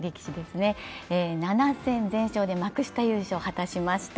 ７戦全勝で幕下優勝を果たしました